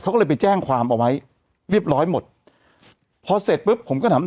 เขาก็เลยไปแจ้งความเอาไว้เรียบร้อยหมดพอเสร็จปุ๊บผมก็ถาม